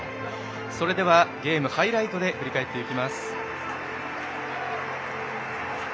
それでは、ゲームをハイライトで振り返っていきます。